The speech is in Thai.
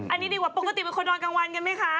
อันนี้ดีกว่าปกติเป็นคนนอนกลางวันกันไหมคะ